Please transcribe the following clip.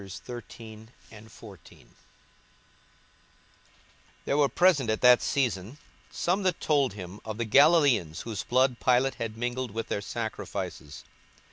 42:013:001 There were present at that season some that told him of the Galilaeans, whose blood Pilate had mingled with their sacrifices.